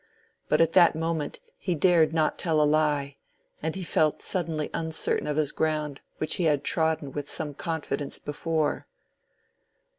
But at that moment he dared not tell a lie, and he felt suddenly uncertain of his ground which he had trodden with some confidence before.